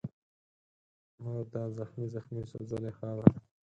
نور دا زخمې زخمي سوځلې خاوره